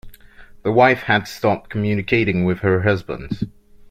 The wife had stopped communicating with her husband